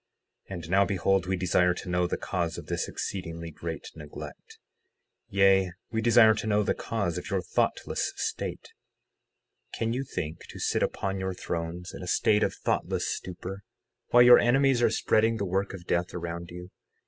60:6 And now behold, we desire to know the cause of this exceedingly great neglect; yea, we desire to know the cause of your thoughtless state. 60:7 Can you think to sit upon your thrones in a state of thoughtless stupor, while your enemies are spreading the work of death around you?